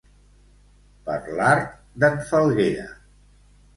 Per l'art d'en Falguera.